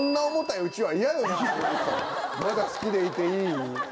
嫌よな「まだ好きでいていい？」。